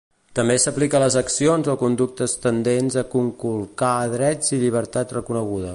També s'aplica a les accions o conductes tendents a conculcar drets i llibertats reconegudes.